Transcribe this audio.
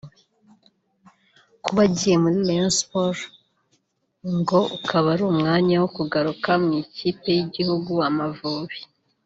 Kuba agiye muri Rayon Sport ngo ukaba ari umwanya wo kugaruka mu ikipe y’igihugu” Amavubi”